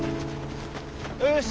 よし！